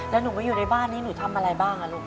แล้วหนูมาอยู่ในบ้านนี้หนูทำอะไรบ้างลูก